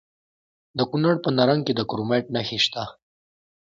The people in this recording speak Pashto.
د کونړ په نرنګ کې د کرومایټ نښې شته.